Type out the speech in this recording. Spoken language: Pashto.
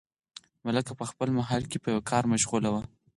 ملکه په خپل محل کې په یوه کار مشغوله وه.